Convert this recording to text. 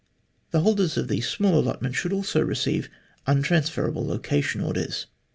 The holders of these small allotments should also receive untransferable location orders.